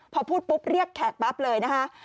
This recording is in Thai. พอพูดปุ๊บเรียกแขกปั๊บเลยนะคะ